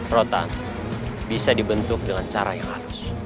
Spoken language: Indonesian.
rotan bisa dibentuk dengan cara yang halus